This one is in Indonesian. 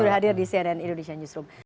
sudah hadir di cnn indonesia newsroom